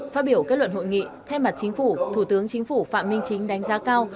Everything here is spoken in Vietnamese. phát biểu kết luận hội nghị thay mặt chính phủ thủ tướng chính phủ phạm minh chính đánh giá cao